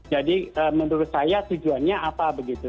jadi menurut saya tujuannya apa begitu